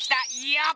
よっ。